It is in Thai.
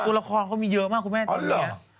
ละครเขามีเยอะมากคุณแม่ตอนนี้